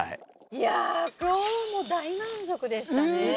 いやぁ、きょうも大満足でしたね。